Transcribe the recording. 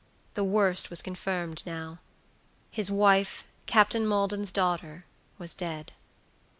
The worst was confirmed now. His wife, Captain Maldon's daughter was dead.